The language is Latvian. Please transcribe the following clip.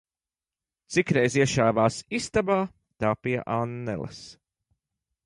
Cik reiz iešāvās istabā, tā pie Anneles.